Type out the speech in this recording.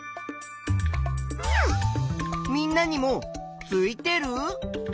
みんなにもついてる？